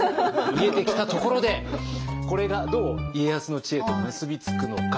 見えてきたところでこれがどう家康の知恵と結び付くのか。